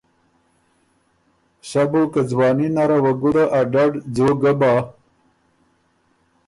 سَۀ بُو که ځواني نره وه ګُده ا ډډ ځوک ګه بۀ،